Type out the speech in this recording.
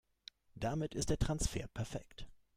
Damit ist der Transfer perfekt.